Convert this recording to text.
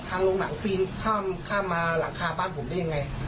ทางโรงหนังปีนข้ามข้ามมาหลังคาบ้านผมได้ยังไง